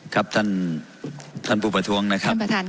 ครับท่านบุภัทธวงค์นะครับ